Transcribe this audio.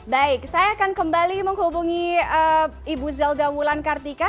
baik saya akan kembali menghubungi ibu zelda wulan kartika